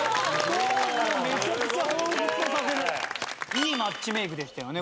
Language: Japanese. いいマッチメークでしたよね